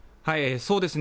そうですね。